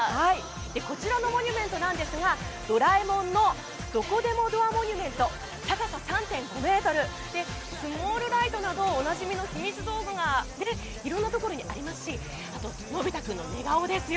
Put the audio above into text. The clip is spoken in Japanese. こちらのモニュメントなんですがドラえもんのどこでもドアモニュメント高さ３．５ｍでスモールライトなどおなじみのひみつ道具が色んなところにありますしのび太くんの寝顔ですよ。